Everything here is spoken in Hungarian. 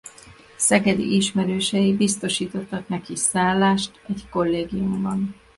Szegedi ismerősei biztosítottak neki szállást egy kollégiumban.